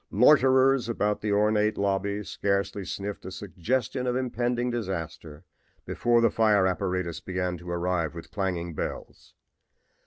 Loiterers about the ornate lobby scarcely sniffed a suggestion of impending disaster before the fire apparatus began to arrive with clanging bells.